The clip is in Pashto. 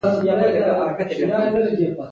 په نویو لنډیو کې به ټانک او راکټ راشي.